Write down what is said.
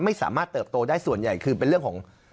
ไม่สามารถเติบโตได้ส่วนใหญ่คือเป็นเรื่องของ